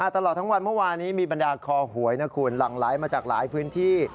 ตลอดทั้งวันเมื่อวานี้มีบรรดาคอหวยนะคุณ